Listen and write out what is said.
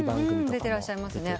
出てらっしゃいますね。